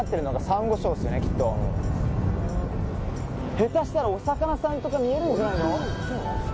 下手したらお魚さんとか見えるんじゃないの？